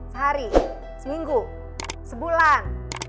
sehari seminggu sebulan